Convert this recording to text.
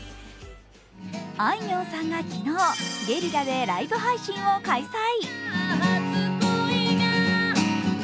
あいみょんさんが昨日、ゲリラでライブ配信を開催。